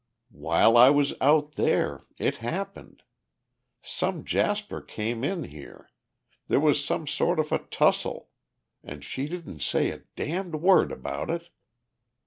"While I was out there ... it happened. Some jasper came in here, there was some sort of a tussle ... and she didn't say a damned word about it!"